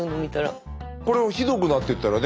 これひどくなってったらね